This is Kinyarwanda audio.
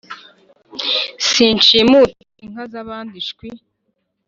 Sinshimuta inka zabandi shwi